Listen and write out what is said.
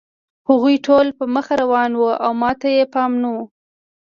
هغوی ټول په مخه روان وو او ما ته یې پام نه و